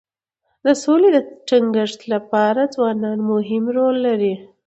د سولي د ټینګښت لپاره ځوانان مهم رول لري.